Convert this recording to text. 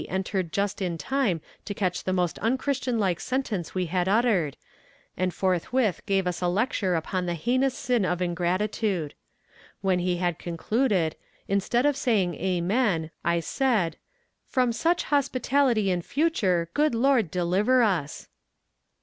entered just in time to catch the most unchristian like sentence we had uttered, and forthwith gave us a lecture upon the heinous sin of ingratitude. When he had concluded, instead of saying amen, I said: "from such hospitality in future, good Lord deliver us."